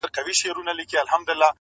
• خلک يوازي بقا غواړي دلته,